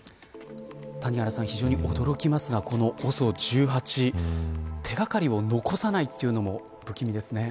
非常に驚きますがこのＯＳＯ１８手掛かりを残さないというのも不気味ですね。